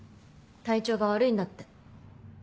体調が悪いんだって。